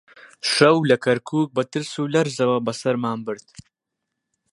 شەو لە کەرکووک بە ترس و لەرزەوە بەسەرمان برد